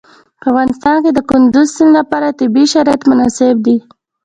په افغانستان کې د کندز سیند لپاره طبیعي شرایط مناسب دي.